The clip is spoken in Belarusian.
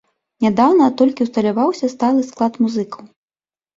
Нядаўна толькі усталяваўся сталы склад музыкаў.